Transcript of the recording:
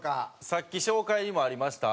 さっき紹介にもありました